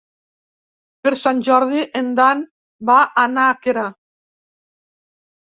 Per Sant Jordi en Dan va a Nàquera.